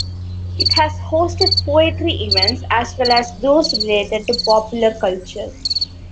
It has hosted poetry events as well as those related to popular culture.